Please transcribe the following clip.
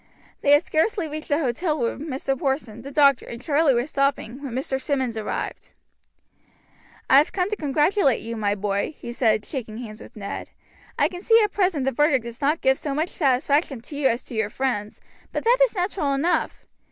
They had scarcely reached the hotel where Mr. Porson, the doctor, and Charlie were stopping, when Mr. Simmonds arrived. "I have come to congratulate you, my boy," he said, shaking hands with Ned. "I can see that at present the verdict does not give so much satisfaction to you as to your friends, but that is natural enough.